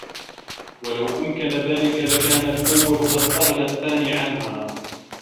وَلَوْ أَمْكَنَ ذَلِكَ لَكَانَ الْأَوَّلُ قَدْ أَغْنَى الثَّانِيَ عَنْهَا